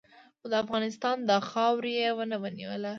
خو د افغانستان خاوره یې و نه نیوله.